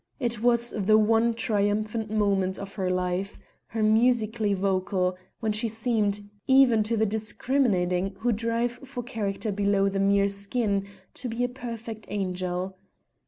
It was the one triumphant moment of her life her musically vocal when she seemed, even to the discriminating who dive for character below the mere skin, to be a perfect angel.